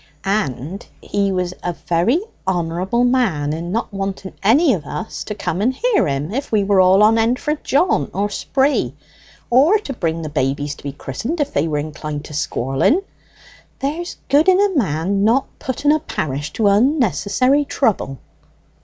'" "And he was a very honourable man in not wanting any of us to come and hear him if we were all on end for a jaunt or spree, or to bring the babies to be christened if they were inclined to squalling. There's good in a man's not putting a parish to unnecessary trouble."